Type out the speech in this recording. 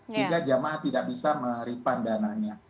sehingga jamaah tidak bisa melarikan dana